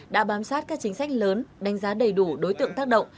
đã bám sát các chính sách lớn đánh giá đầy đủ đối tượng tác động